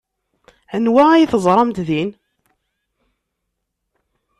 Anwa ay teẓramt din?